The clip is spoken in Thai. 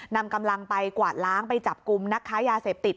นำกำลังไปกวาดล้างไปจับกลุ่มนักค้ายาเสพติด